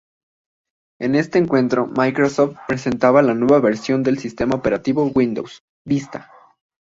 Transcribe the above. En este encuentro Microsoft presentaba la nueva versión de su sistema operativo Windows, Vista.